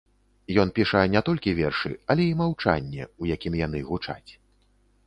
Ён піша не толькі вершы, але і маўчанне, у якім яны гучаць.